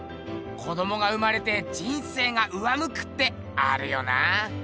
子どもが生まれて人生が上むくってあるよな。